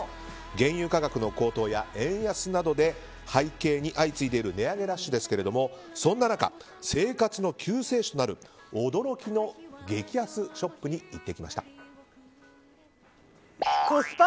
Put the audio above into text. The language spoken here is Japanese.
原油価格の高騰や円安などで相次いでいる値上げラッシュですがそんな中、生活の救世主となる驚きの激安ショップに行ってきました。